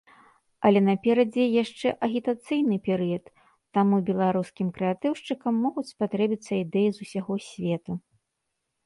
Але наперадзе яшчэ агітацыйны перыяд, таму беларускім крэатыўшчыкам могуць спатрэбіцца ідэі з усяго свету.